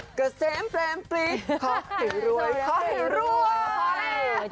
ตุ๊กเกษมเต็มปริขอให้รวยขอให้รวย